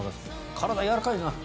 体やわらかいな。